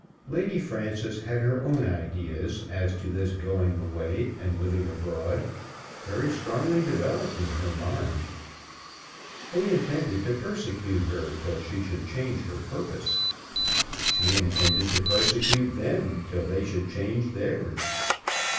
Lady Frances had her own ideas, as to this going away and living abroad, very strongly developed in her mind. They intended to persecute her till she should change her purpose. She intended to persecute them till they should change theirs.